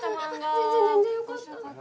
全然全然よかった。